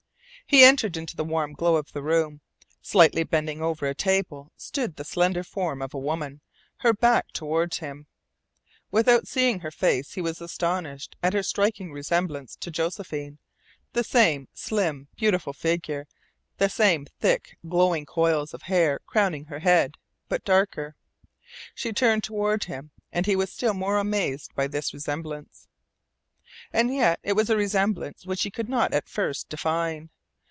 He entered into the warm glow of the room. Slightly bending over a table stood the slender form of a woman, her back toward him. Without seeing her face he was astonished at her striking resemblance to Josephine the same slim, beautiful figure, the same thick, glowing coils of hair crowning her head but darker. She turned toward him, and he was still more amazed by this resemblance. And yet it was a resemblance which he could not at first define.